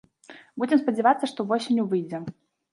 Будзем спадзявацца, што восенню выйдзе.